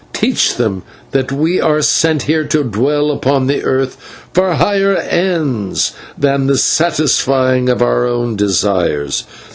Teach them that we are sent here to dwell upon the earth for higher ends than the satisfying of our own desires.